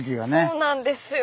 そうなんですよ。